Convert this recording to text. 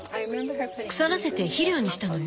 腐らせて肥料にしたのよ。